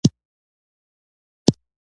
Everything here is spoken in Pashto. د مهربانۍ ارزښت د زړونو نرمول دي.